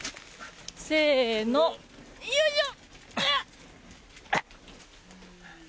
せーのよいしょ！